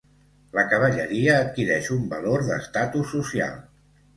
La cavalleria adquireix un valor d'estatus social.